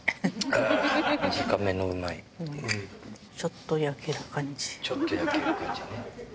「ちょっと焼ける感じ」ね。